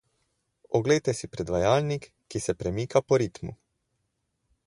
Oglejte si predvajalnik, ki se premika po ritmu.